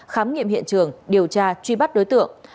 khám nghiệm hiện trường điều tra truy bắt đối tượng